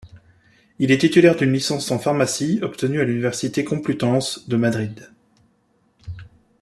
Il est titulaire d'une licence en pharmacie obtenue à l'université complutense de Madrid.